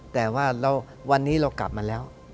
แต่ว่าวันนี้เรากลับมาแล้ว